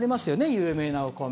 有名なお米。